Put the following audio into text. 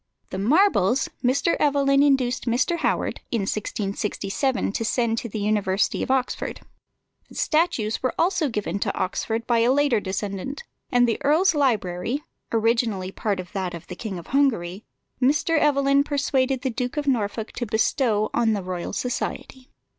The marbles Mr. Evelyn induced Mr. Howard, in 1667, to send to the University of Oxford; the statues were also given to Oxford by a later descendant; and the earl's library (originally part of that of the King of Hungary) Mr. Evelyn persuaded the Duke of Norfolk to bestow on the Royal Society.